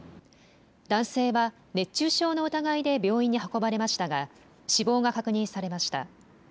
男性は熱中症の疑いで病院に運ばれましたが死亡が確認されました。